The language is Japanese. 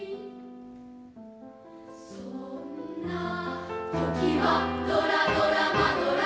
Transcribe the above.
「そんな時は、ドラドラマドラ！